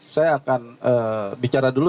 saya akan bicara dulu